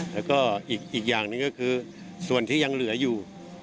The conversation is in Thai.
แล้วก็อีกอย่างหนึ่งก็คือส่วนที่ยังเหลืออยู่